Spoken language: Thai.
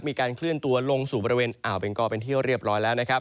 มีการเคลื่อนตัวลงสู่บริเวณอ่าวเบงกอเป็นที่เรียบร้อยแล้วนะครับ